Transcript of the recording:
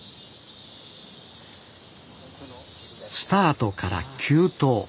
スタートから急登。